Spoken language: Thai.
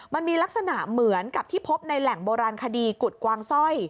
มันมีลักษณะเหมือนกับที่พบในแหล่งโบราณคดีกุฎกวางสร้อย